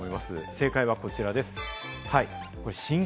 正解はこちらです。